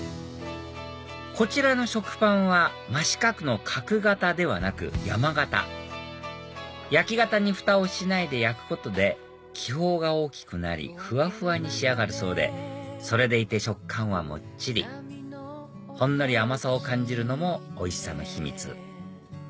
こちらの食パンは真四角の角型ではなく山型焼き型にフタをしないで焼くことで気泡が大きくなりふわふわに仕上がるそうでそれでいて食感はもっちりほんのり甘さを感じるのもおいしさの秘密